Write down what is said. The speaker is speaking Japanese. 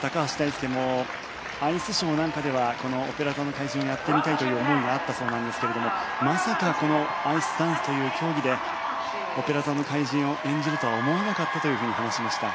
高橋大輔もアイスショーなんかではこの『オペラ座の怪人』をやってみたいという思いがあったそうなんですけれどもまさかこのアイスダンスという競技で『オペラ座の怪人』を演じるとは思わなかったという風に話しました。